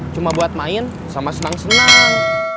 cuma buat main sama senang senang